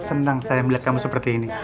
senang saya melihat kamu seperti ini